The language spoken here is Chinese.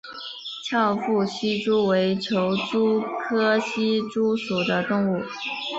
翘腹希蛛为球蛛科希蛛属的动物。